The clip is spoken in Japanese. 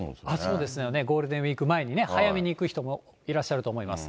そうですね、ゴールデンウィーク前にね、早めに行く人もいらっしゃると思います。